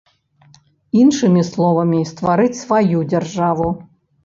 Іншымі словамі, стварыць сваю дзяржаву.